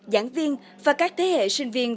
giảng viên và các thế hệ sinh viên